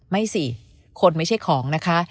ไม่สิคนไม่ใช่ของนะคะ